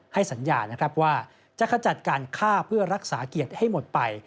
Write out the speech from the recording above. ให้สัญญานะครับว่าจะขจัดการฆ่าเพื่อรักษาเกียรติให้หมดไป